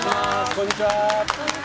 こんにちは。